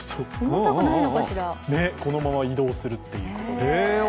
このまま移動するということで。